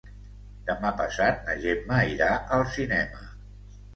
Demà passat na Gemma irà al cinema.